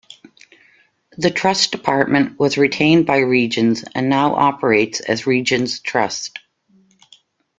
The trust department was retained by Regions and now operates as Regions Trust.